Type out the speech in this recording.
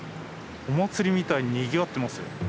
お祭りみたいににぎわってますよ。